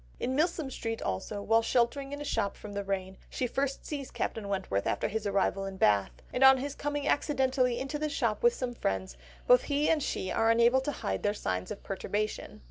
In Milsom Street also, while sheltering in a shop from the rain, she first sees Captain Wentworth after his arrival in Bath, and on his coming accidentally into the same shop with some friends, both he and she are unable to hide their signs of perturbation.